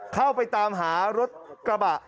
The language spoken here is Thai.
เข้าไปตามหารถกระบะ